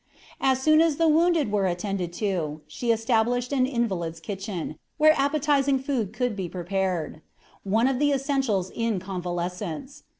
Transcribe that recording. As soon as the wounded were attended to, she established an invalid's kitchen, where appetizing food could be prepared, one of the essentials in convalescence.